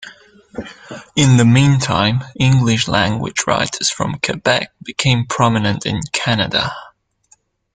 In the meantime, English-language writers from Quebec became prominent in Canada.